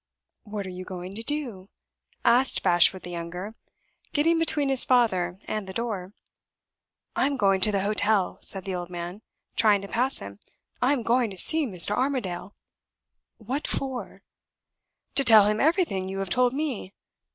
"What are you going to do?" asked Bashwood the younger, getting between his father and the door. "I am going to the hotel," said the old man, trying to pass him. "I am going to see Mr. Armadale." "What for?" "To tell him everything you have told me."